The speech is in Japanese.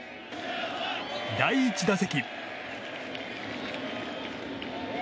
第１打席。